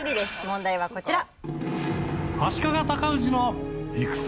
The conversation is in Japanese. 問題はこちら。